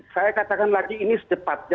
saya katakan lagi ini secepatnya